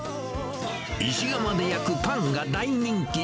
石窯で焼くパンが大人気。